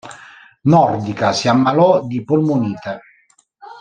Nordica si ammalò di polmonite.